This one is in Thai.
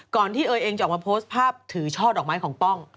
ที่เอยเองจะออกมาโพสต์ภาพถือช่อดอกไม้ของป้อง